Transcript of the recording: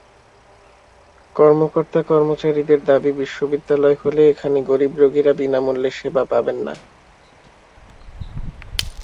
কর্মকর্তা-কর্মচারীদের দাবি বিশ্ববিদ্যালয় হলে এখানে গরিব রোগীরা বিনা মূল্যে সেবা পাবেন না।